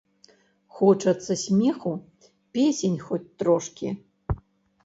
Хочацца смеху, песень хоць трошкі.